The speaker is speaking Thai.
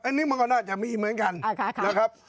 อันนี้มันก็น่าจะมีเหมือนกันนะครับ